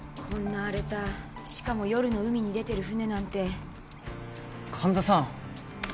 こんな荒れたしかも夜の海に出てる船なんて神田さん